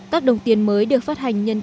các đồng tiền mới được phát hành nhân dân